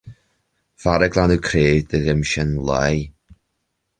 Fear ag glanadh cré de ghimseán láí.